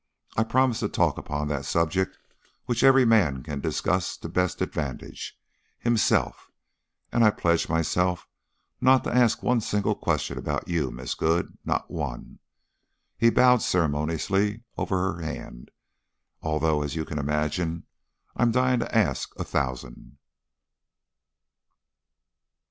I promise to talk upon that subject which every man can discuss to best advantage himself and I pledge myself not to ask one single question about you, Miss Good. Not one " He bowed ceremoniously over her hand. "Although, as you can imagine, I'm dying to ask a thousand."